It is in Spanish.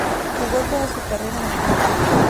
Jugó toda su carrera en Atlanta.